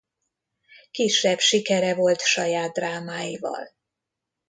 Kisebb sikere volt saját drámáival.